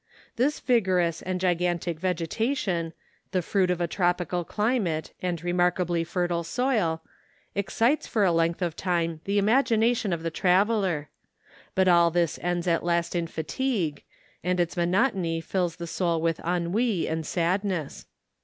This vigorous and gigantic vegetation, the fruit of a tropical climate, and remarkably fertile soil, excites for a length of time the imagination of the traveller; but all this ends at last in fatigue, and its monotony fills the soul with ennui and sadness.